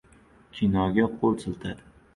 Kinoga qo‘l siltadi.